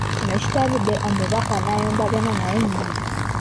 Kino kitabudde Omubaka n'ayombagana naye nyo.